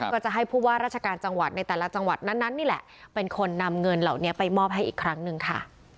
ก็จะให้ผู้ว่าราชการจังหวัดในแต่ละจังหวัดนั้นนี่แหละเป็นคนนำเงินเหล่านี้ไปมอบให้อีกครั้งหนึ่งค่ะ